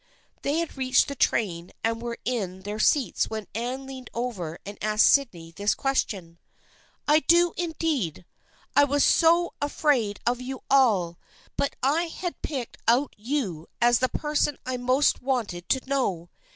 They had reached the train and were in their seats when Anne leaned over and asked Sydney this question. " I do indeed ! I was so afraid of 3'ou all, but I had picked out you as the person I most wanted to know.